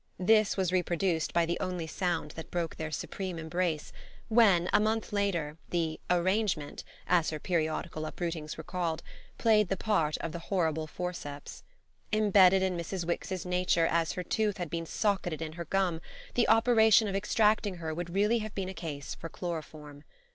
This was reproduced by the only sound that broke their supreme embrace when, a month later, the "arrangement," as her periodical uprootings were called, played the part of the horrible forceps. Embedded in Mrs. Wix's nature as her tooth had been socketed in her gum, the operation of extracting her would really have been a case for chloroform.